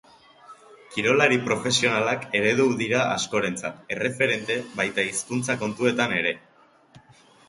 Kirolari profesionalak eredu dira askorentzat, erreferente, baita hizkuntza kontuetan ere.